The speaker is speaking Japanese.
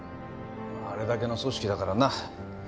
まああれだけの組織だからな。